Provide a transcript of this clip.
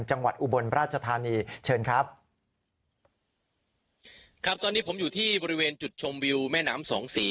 อุบลราชธานีเชิญครับครับตอนนี้ผมอยู่ที่บริเวณจุดชมวิวแม่น้ำสองสี